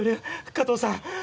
加藤さん